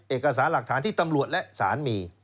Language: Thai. เอกสารหลักฐานที่ตำรวจและสารมี